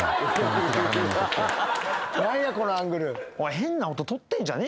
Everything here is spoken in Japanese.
変な音とってんじゃねえ。